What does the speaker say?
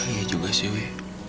iya juga sih we